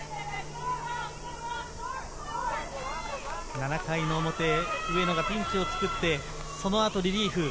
７回の表、上野がピンチを作って、そのあとリリーフ。